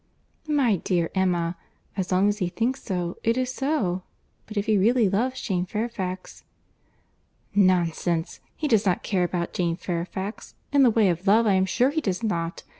"My dear Emma, as long as he thinks so, it is so; but if he really loves Jane Fairfax—" "Nonsense! He does not care about Jane Fairfax. In the way of love, I am sure he does not.